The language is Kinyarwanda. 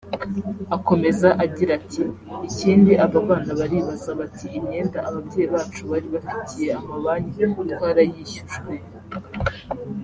Akomeza agira ati “Ikindi aba bana baribaza bati imyenda ababyeyi bacu bari bafitiye amabanki twarayishyujwe